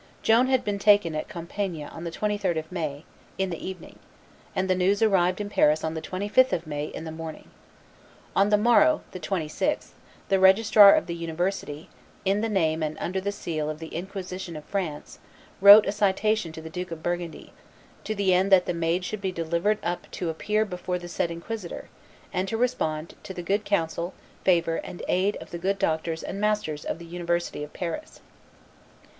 Joan had been taken at Compiegne on the 23d of May, in the evening; and the news arrived in Paris on the 25th of May, in the morning. On the morrow, the 26th, the registrar of the University, in the name and under the seal of the inquisition of France, wrote a citation to the Duke of Burgundy "to the end that the Maid should be delivered up to appear before the said inquisitor, and to respond to the good counsel, favor, and aid of the good doctors and masters of the University of Paris."